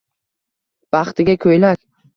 Baxtiga ko'ylak...